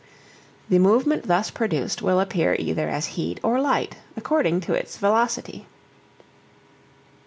The movement thus produced will appear either as heat or light according to its velocity.